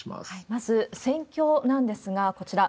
まず戦況なんですが、こちら。